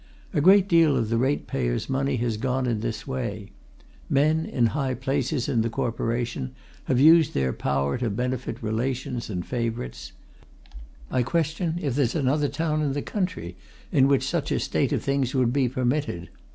A great deal of the ratepayers' money has gone in this way men in high places in the Corporation have used their power to benefit relations and favourites: I question if there's another town in the country in which such a state of things would be permitted.